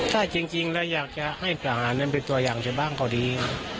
ถ้าจริงแล้วอยากจะให้พระหารเป็นตัวอย่างที่บ้างเขาดี